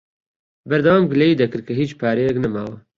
بەردەوام گلەیی دەکرد کە هیچ پارەیەک نەماوە.